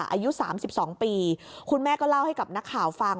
อายุ๓๒ปีคุณแม่ก็เล่าให้กับนักข่าวฟัง